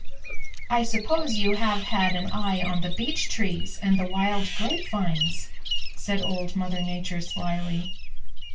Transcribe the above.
"I suppose you have had an eye on the beech trees and the wild grape vines," said Old Mother Nature slyly.